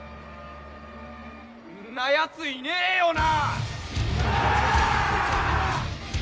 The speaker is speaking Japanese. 「んなやついねえよな？」